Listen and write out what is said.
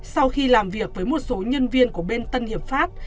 sau khi làm việc với một số nhân viên của bên tân hiệp pháp